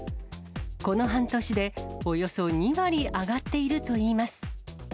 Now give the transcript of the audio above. この半年でおよそ２わりあがっているといいます。